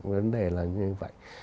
vấn đề là như vậy